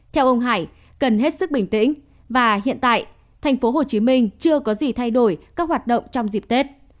theo ông hải cần hết sức bình tĩnh và hiện tại tp hcm chưa có gì thay đổi các hoạt động trong dịp tết